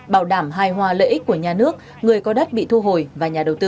bảo đảm hài hòa lợi ích của nhà nước người có đất bị thu hồi và nhà đầu tư